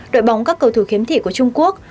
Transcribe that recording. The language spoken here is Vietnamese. đội bóng các cầu thủ khiếm thị của trung quốc